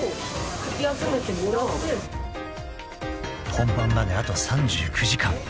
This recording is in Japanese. ［本番まであと３９時間］